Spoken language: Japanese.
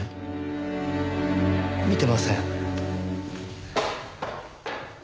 見てません。